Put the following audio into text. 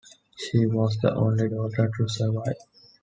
She was the only daughter to survive.